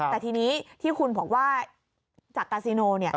แต่ทีนี้ที่คุณบอกว่าจากกาซิโน